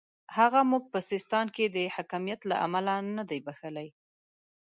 هغه موږ په سیستان کې د حکمیت له امله نه دی بخښلی.